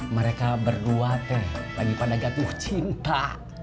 mereka berdua tuh lagi pada jatuh cinta